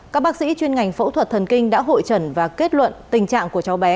các bác sĩ chuyên ngành phẫu thuật thần kinh đã hội trần và kết luận tình trạng của cháu bé